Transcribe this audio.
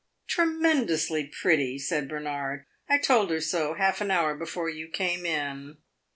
"Tremendously pretty!" said Bernard. "I told her so half an hour before you came in."